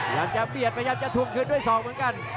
ยังจะเบียดไปยังจะทุ่มคืนด้วยสองเหมือนกัน